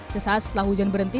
sesaat setelah hujan berhenti